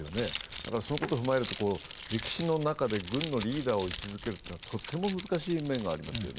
だから、そのことを踏まえると、歴史の中で軍のリーダーを位置づけるというのは、とても難しい面がありますよね。